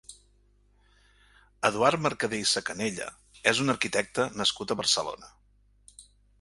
Eduard Mercader i Sacanella és un arquitecte nascut a Barcelona.